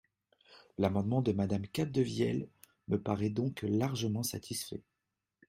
L’amendement de Madame Capdevielle me paraît donc largement satisfait.